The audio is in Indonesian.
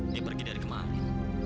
dia pergi dari kemarin